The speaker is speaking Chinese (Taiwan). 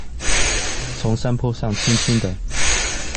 從山坡上輕輕地